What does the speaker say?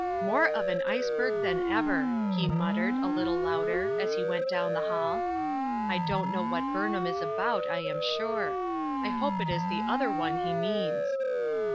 " More of an iceberg than ever," he muttered, a little louder, as he went down the hall. " I don't know what Burnham is about, I am sure. I hope it is the other one he means."